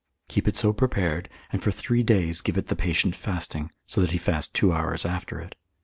Keep it so prepared, and for three days give it the patient fasting, so that he fast two hours after it.